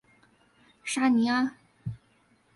沙尼阿。